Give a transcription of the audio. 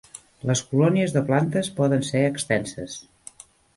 Les colònies de plantes poden ser extenses.